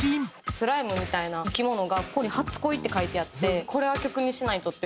スライムみたいな生き物がここに「初恋」って書いてあってこれは曲にしないとって。